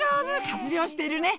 活用してるね